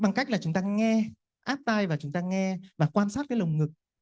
bằng cách là chúng ta nghe áp tay vào chúng ta nghe và quan sát cái lồng ngực